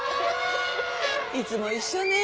いつも一緒ね